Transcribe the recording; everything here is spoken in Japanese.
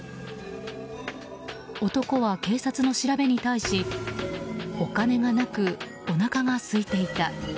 男は警察の調べに対しお金がなくおなかがすいていた。